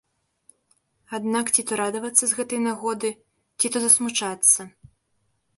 Аднак ці то радавацца з гэтай нагоды, ці то засмучацца?